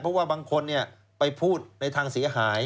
เพราะว่าบางคนไปพูดในทางเสียหาย